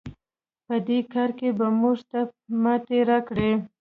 په دې کار کې به موږ ته ماتې راکړئ.